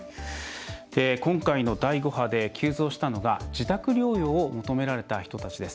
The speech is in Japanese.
今回の第５波で急増したのが、自宅療養を求められた人たちです。